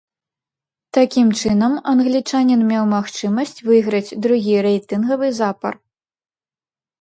Такім чынам, англічанін меў магчымасць выйграць другі рэйтынгавы запар.